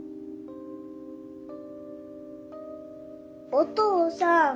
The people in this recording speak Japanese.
お父さん。